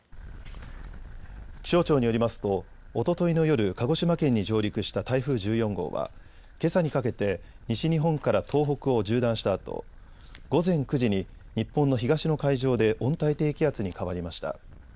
気象庁によりますと、おとといの夜、鹿児島県に上陸した台風１４号は、けさにかけて、西日本から東北を縦断したあと、午前９時に、日本の東の海上で温帯低気圧に変わりました。